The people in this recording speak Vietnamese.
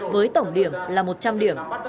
với tổng điểm là một trăm linh điểm